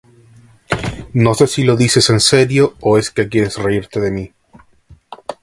No sé si lo dices en serio o es que quieres reírte de mí.